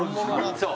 そう。